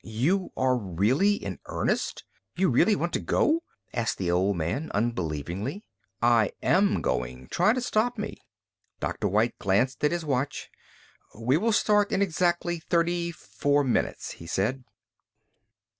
"You are really in earnest? You really want to go?" asked the old man, unbelievingly. "I am going. Try to stop me." Dr. White glanced at his watch. "We will start in exactly thirty four minutes," he said.